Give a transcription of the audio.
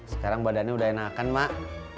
sekarang badannya udah enakan mak